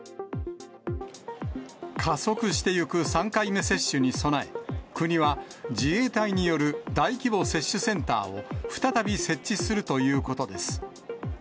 加速していく３回目接種に備え、国は自衛隊による大規模接種センターを再び設置するということです。